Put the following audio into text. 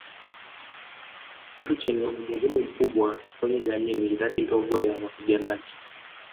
Kitu chenye umuhimu mkubwa kwenye jamii ni idadi ndogo ya wapiganaji